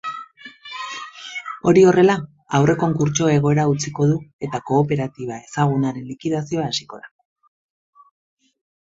Hori horrela, aurrekonkurtso egoera utziko du eta kooperatiba ezagunaren likidazioa hasiko da.